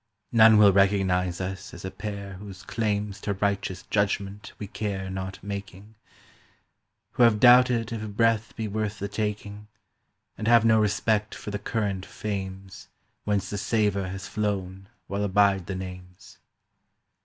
None will recognize us as a pair whose claims To righteous judgment we care not making; Who have doubted if breath be worth the taking, And have no respect for the current fames Whence the savour has flown while abide the names.